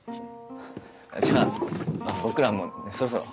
じゃあ僕らもそろそろ。